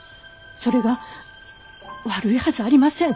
それが悪いはずありません。